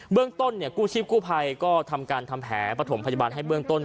เรื่องต้นกู้ชีพกู้ภัยก็ทำการทำแผลประถมพยาบาลให้เบื้องต้น